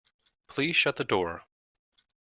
Please shut the door.